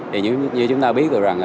thì như chúng ta biết được